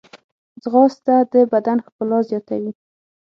ځغاسته د بدن ښکلا زیاتوي